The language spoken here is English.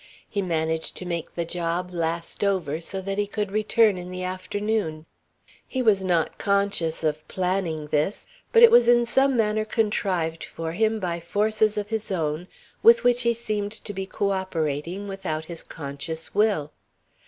He managed to make the job last over so that he could return in the afternoon. He was not conscious of planning this, but it was in some manner contrived for him by forces of his own with which he seemed to be coöperating without his conscious will.